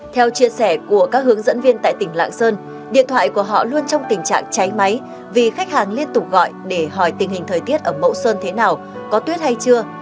theo chia sẻ của các hướng dẫn viên tại tỉnh lạng sơn điện thoại của họ luôn trong tình trạng cháy máy vì khách hàng liên tục gọi để hỏi tình hình thời tiết ở mẫu sơn thế nào có tuyết hay chưa